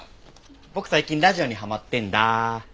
僕最近ラジオにハマってんだ。